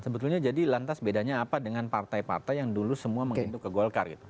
sebetulnya jadi lantas bedanya apa dengan partai partai yang dulu semua menghidup ke golkar gitu